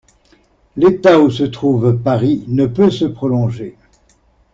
L'état où se trouve Paris ne peut se prolonger.